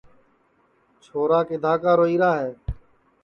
چھورا کِدھاں کا روئیرا ہے